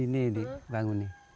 ini dibangun nih